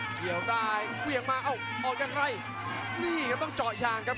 เกี่ยวได้เวี่ยงมาเอ้าออกอย่างไรนี่ครับต้องเจาะยางครับ